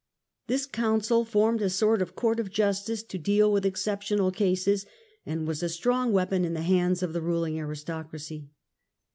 This Council formed a sort of court of justice to deal with exceptional cases, and was a strong weapon in the hands of the ruling aristocracy.